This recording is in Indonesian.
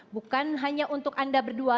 bukan hanya untuk anda berdua